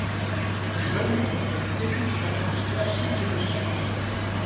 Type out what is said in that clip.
Jeune elle débute la danse classique et le chant.